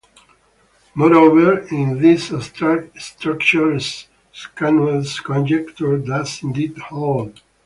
Moreover, in this abstract structure Schanuel's conjecture does indeed hold.